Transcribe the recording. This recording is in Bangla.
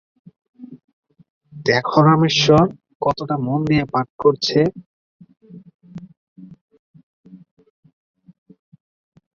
দেখো রামেশ্বর, কতোটা মন দিয়ে পাঠ করছে।